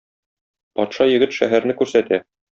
Патша егет шәһәрне күрсәтә.